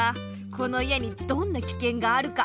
この家にどんなきけんがあるか。